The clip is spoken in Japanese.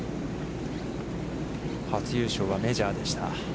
初優勝はメジャーでした。